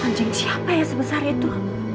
anjing siapa ya sebesar itu